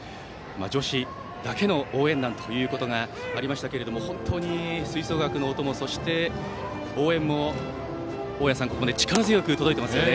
女子だけの応援だということがありましたけれども吹奏楽の音も応援も、力強く届いていますよね。